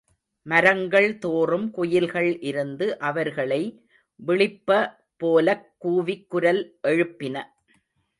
மரங்கள்தோறும் குயில்கள் இருந்து அவர்களை விளிப்ப போலக் கூவிக் குரல் எழுப்பின.